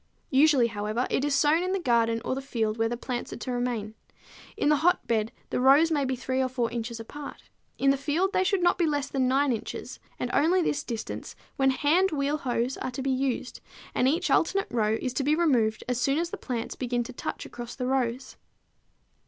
Usually, however, it is sown in the garden or the field where the plants are to remain. In the hotbed the rows may be 3 or 4 inches apart; in the field they should be not less than 9 inches, and only this distance when hand wheel hoes are to be used, and each alternate row is to be removed as soon as the plants begin to touch across the rows.